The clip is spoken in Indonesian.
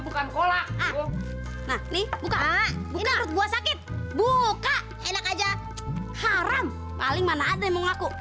buka buka buka enak aja haram paling mana ada yang mau ngaku